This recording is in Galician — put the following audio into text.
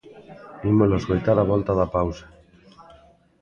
Ímolo escoitar á volta da pausa.